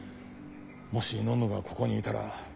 もしのんのがここにいたら。